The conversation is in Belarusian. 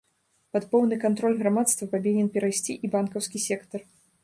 Пад поўны кантроль грамадства павінен перайсці і банкаўскі сектар.